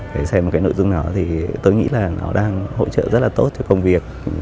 để xem một cái nội dung nào đó thì tôi nghĩ là nó đang hỗ trợ rất là tốt cho công việc